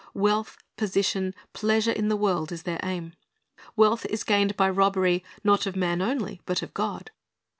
Wealth, position, pleasure in the world, is their aim. Wealth is gained by robbery, not of man only, but of God.